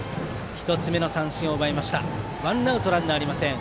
１つ目の三振を奪いましたワンアウトランナーありません。